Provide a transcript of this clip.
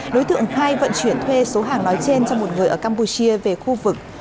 đối tượng hai vận chuyển thuê số hàng nói trên cho một người ở campuchia về khu vực